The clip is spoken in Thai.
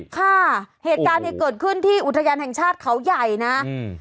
ค่ะเหตุการณ์เนี่ยเกิดขึ้นที่อุทยานแห่งชาติเขาใหญ่นะอืม